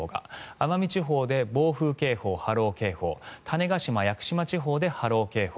奄美地方で暴風警報、波浪警報種子島、屋久島地方で波浪警報。